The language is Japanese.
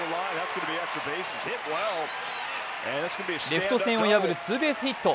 レフト線を破るツーベースヒット。